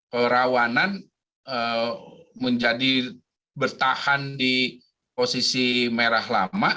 kerawanan menjadi bertahan di posisi merah lama